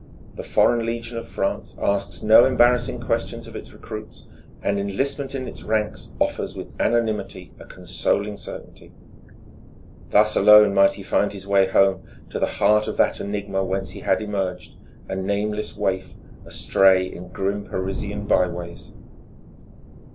The Foreign Legion of France asks no embarrassing questions of its recruits, and enlistment in its ranks offers with anonymity a consoling certainty. Thus alone might he find his way home to the heart of that enigma whence he had emerged, a nameless waif astray in grim Parisian by ways....